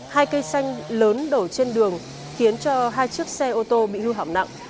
hai cây xanh lớn đổ trên đường khiến cho hai chiếc xe ô tô bị hư hỏng nặng